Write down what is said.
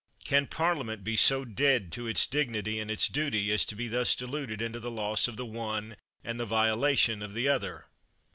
Can Parliament be so dead to its dignity and its duty as to be thus deluded into the loss of the one and the violation of the other